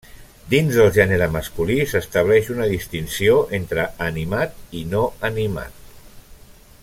Dins del gènere masculí, s'estableix una distinció entre animat i no animat.